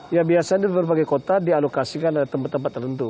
ya biasanya di berbagai kota dialokasikan ada tempat tempat tertentu